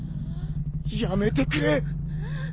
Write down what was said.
やめてくれ！